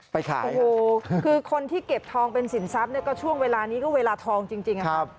ขายโอ้โหคือคนที่เก็บทองเป็นสินทรัพย์เนี่ยก็ช่วงเวลานี้ก็เวลาทองจริงนะครับ